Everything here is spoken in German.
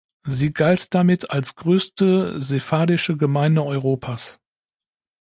Sie galt damit als größte sephardische Gemeinde Europas.